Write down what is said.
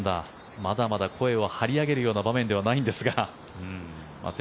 まだまだ声を張り上げるような場面ではないんですが松山、